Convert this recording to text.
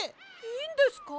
いいんですか？